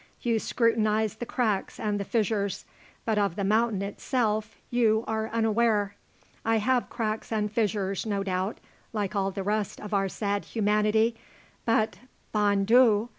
You scrutinize the cracks and the fissures, but of the mountain itself you are unaware. I have cracks and fissures, no doubt, like all the rest of our sad humanity; but, _bon Dieu!